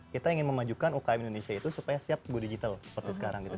kita ingin memajukan ukm indonesia itu supaya siap go digital seperti sekarang gitu